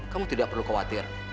kamu tidak perlu khawatir